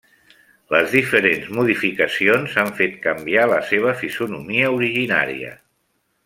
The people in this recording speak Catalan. Les diferents modificacions han fet canviar la seva fisonomia originària.